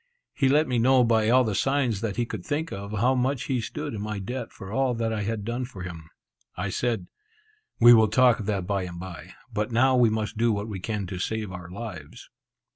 He let me know by all the signs that he could think of, how much he stood in my debt for all that I had done for him. I said, "We will talk of that bye and bye; but now we must do what we can to save our lives."